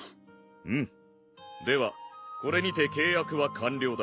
うむではこれにて契約は完了だ。